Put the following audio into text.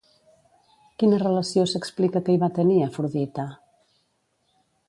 Quina relació s'explica que hi va tenir, Afrodita?